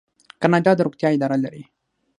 کاناډا د روغتیا اداره لري.